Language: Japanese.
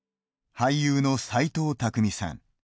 俳優の斎藤工さん。